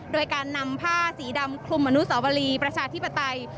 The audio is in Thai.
โดยการนำผ้าสีดำคลุมอนุสาวรีประชาธิปไตย